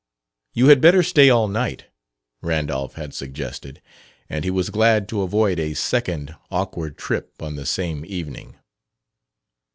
"You had better stay all night," Randolph had suggested; and he was glad to avoid a second awkward trip on the same evening.